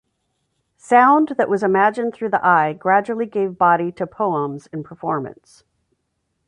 Sound that was imagined through the eye gradually gave body to poems in performance.